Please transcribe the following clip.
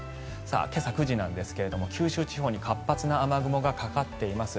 今朝９時なんですが九州地方に活発な雨雲がかかっています。